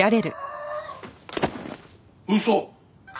嘘！？